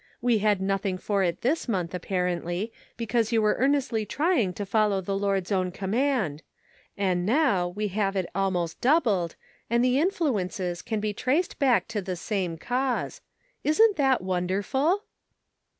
We had noth ing for it this month, apparently, because you were earnestly trying to follow the Lord's own command ; and now we have it almost doubled, and the influences can be traced back to the same cause. Isn't that wonderful